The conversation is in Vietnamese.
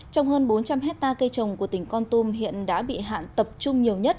trong hơn bốn trăm linh hectare cây trồng của tỉnh con tum hiện đã bị hạn tập trung nhiều nhất